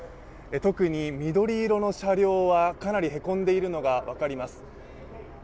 特に緑色の車両はかなりへこんでいるのが分かります。